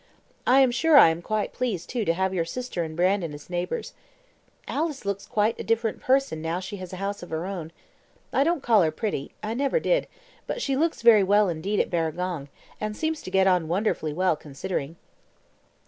I am sure I am quite pleased, too, to have your sister and Brandon as neighbours. Alice looks quite a different person now she has a house of her own. I don't call her pretty I never did; but she looks very well indeed at Barragong, and seems to get on wonderful well, considering."